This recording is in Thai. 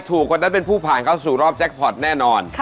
คนนั้นเป็นผู้ผ่านเข้าสู่รอบแจ็คพอร์ตแน่นอน